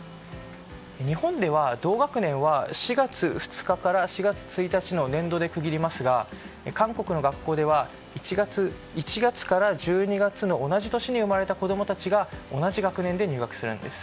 日本では同学年は４月２日から４月１日の年度で区切りますが韓国の学校では１月から１２月の同じ年に生まれた子供たちが同じ学年で入学するんです。